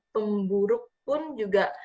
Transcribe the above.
pemburuk pun juga